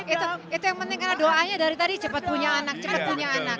itu yang penting karena doanya dari tadi cepat punya anak cepat punya anak